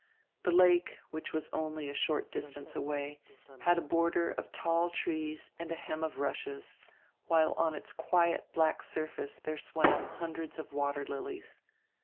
The lake, which was only a short distance away, had a border of tall trees and a hem of rushes, while on its quiet black surface diere swam hundreds of water lilies.